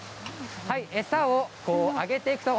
餌をあげていくと